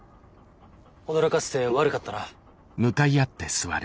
驚かせて悪かったな。